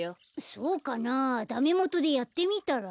そうかなあダメもとでやってみたら？